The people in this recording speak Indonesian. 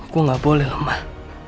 gua gak boleh lemah